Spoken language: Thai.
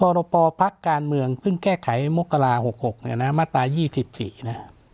ลดไปภักดิ์การเมืองเพิ่งแก้ไขโมกราหกเนี่ยนะมาตรายี่สิบสี่นะ